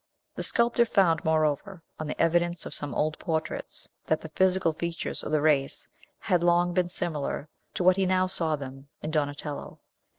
The sculptor found, moreover, on the evidence of some old portraits, that the physical features of the race had long been similar to what he now saw them in Donatello.